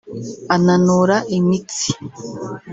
ananura imitsi